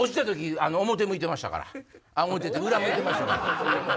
あっ裏向いてましたから。